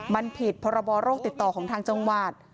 มันผิดพรบโรคติดต่อของทางจังหวัด